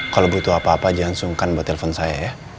kalau butuh apa apa jangan sungkan buat telepon saya ya